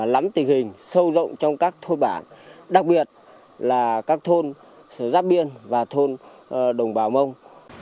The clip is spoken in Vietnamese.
lắm tình hình sâu rộng trong các thôn bản đặc biệt là các thôn sở giáp biên và thôn đồng bào mông